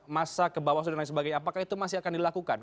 masa ke bawah seluruh dan lain sebagainya apakah itu masih akan dilakukan